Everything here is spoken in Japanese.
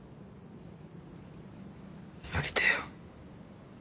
やりてえよ。